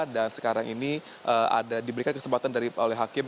dan sekarang ini diberikan kesempatan oleh hakim